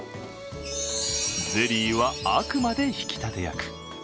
ゼリーはあくまで引き立て役。